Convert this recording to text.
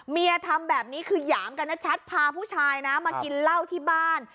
เมียทำแบบนี้คือหยามกันชัดพาผู้ชายนะมากินเหล้าที่บ้าน